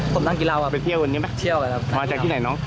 ผมนั่งกินเราอ่ะไปเที่ยววันนี้ไหมเที่ยวอะครับมาจากที่ไหนน้อง